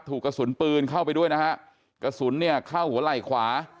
ถูกกระสุนปืนเข้าไปด้วยนะฮะกระสุนเนี่ยเข้าหัวไหล่ขวา